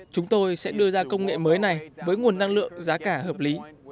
chúng tôi sẽ đưa ra công nghệ mới này với nguồn năng lượng giá cả hợp lý